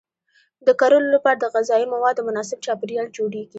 د کرلو لپاره د غذایي موادو مناسب چاپیریال جوړیږي.